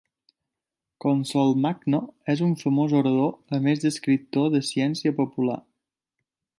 Consolmagno és un famós orador a més d'escriptor de ciència popular.